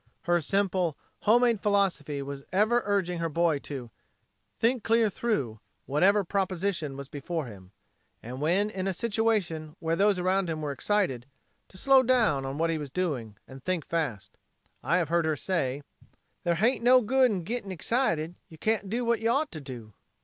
Her simple, home made philosophy was ever urging her boy to "think clear through" whatever proposition was before him, and when in a situation where those around him were excited "to slow down on what he was doing, and think fast." I have heard her say: "There hain't no good in gitting excited you can't do what you ought to do."